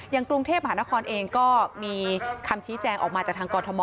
กรุงเทพมหานครเองก็มีคำชี้แจงออกมาจากทางกรทม